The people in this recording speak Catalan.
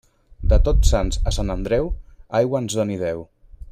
De Tots Sants a Sant Andreu, aigua ens doni Déu.